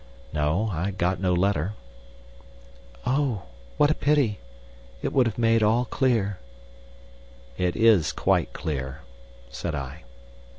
"No, I got no letter." "Oh, what a pity! It would have made all clear." "It is quite clear," said I.